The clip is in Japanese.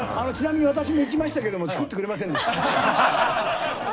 ちなみに私も行きましたけども。